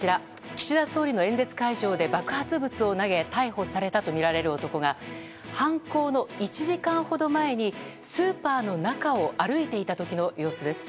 岸田総理の演説会場で爆発物を投げ逮捕されたとみられる男が犯行の１時間ほど前にスーパーの中を歩いていた時の様子です。